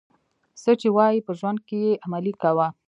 څه چي وايې په ژوند کښي ئې عملي کوه.